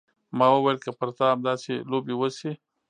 ما وويل که پر تا همداسې لوبې وشي.